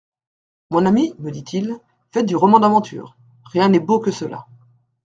Mon ami, me dit-il, faites du roman d'aventures ; rien n'est beau que cela.